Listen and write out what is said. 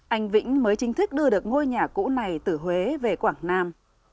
anh vĩnh mới chính thức đưa được ngôi nhà cũ này từ huế về quảng nam